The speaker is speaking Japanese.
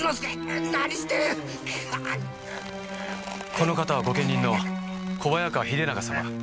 この方は御家人の小早川秀長様。